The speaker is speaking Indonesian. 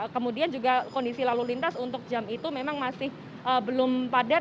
kemudian juga kondisi lalu lintas untuk jam itu memang masih belum padat